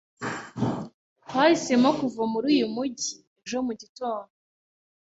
Twahisemo kuva muri uyu mujyi ejo mu gitondo.